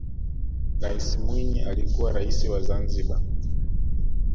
rais mwinyi alikuwa raisi wa zanzibar